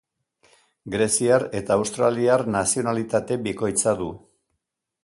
Greziar eta australiar nazionalitate bikoitza du.